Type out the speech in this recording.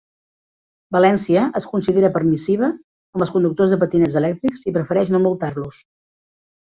València es considera permissiva amb els conductors de patinets elèctrics i prefereix no multar-los